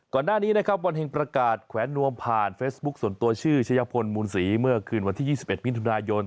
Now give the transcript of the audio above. ก่อนหน้านี้นะครับวันแห่งประกาศแขวนนวมผ่านเฟซบุ๊คส่วนตัวชื่อชะยะพลมูลศรีเมื่อคืนวันที่๒๑มิถุนายน